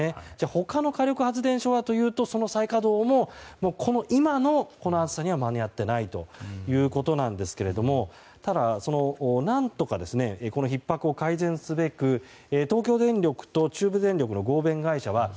他の火力発電所はというと再稼働も今のこの暑さには間に合ってないということですがただ、何とかこのひっ迫を改善すべく東京電力と中部電力の合同会社は